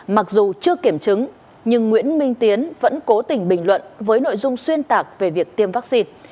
mặc dù chưa kiểm chứng nhưng nguyễn minh tiến vẫn cố tình bình luận với nội dung xuyên tạc về việc tiêm vaccine